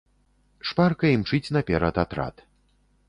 Шпарка імчыць наперад атрад.